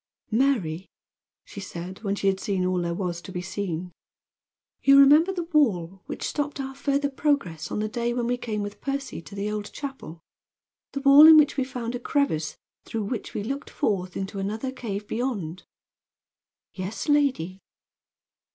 "Mary," she said, when she had seen all there was to be seen, "you remember the wall which stopped our further progress on the day when we came with Percy to the Old Chapel the wall in which we found a crevice through which we looked forth into another cave beyond?" "Yes, lady."